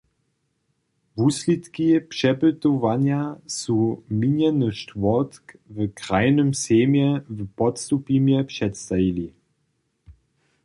Wuslědki přepytowanja su minjeny štwórtk w krajnym sejmje w Podstupimje předstajili.